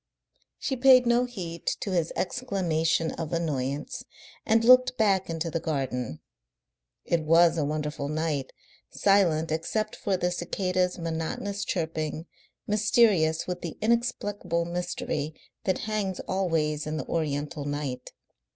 She paid no heed to his exclamation of annoyance, and looked back into the garden. It was a wonderful night, silent except for the cicadas' monotonous chirping, mysterious with the inexplicable mystery that hangs always in the Oriental night.